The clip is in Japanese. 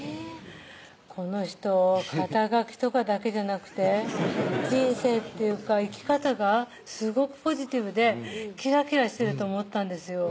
この人肩書とかだけじゃなくて人生っていうか生き方がすごくポジティブできらきらしてると思ったんですよ